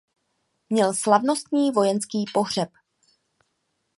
Měl slavnostní vojenský pohřeb.